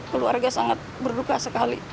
keluarga sangat berduka sekali